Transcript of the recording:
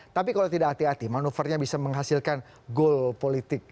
tapi kalau tidak hati hati manuvernya bisa menghasilkan goal politik